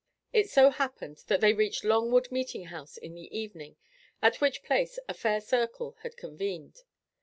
It so happened, that they reached Long Wood meeting house in the evening, at which place a fair circle had convened.